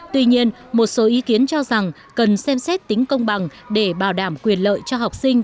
tuy nhiên một số ý kiến cho rằng cần xem xét tính công bằng để bảo đảm quyền lợi cho học sinh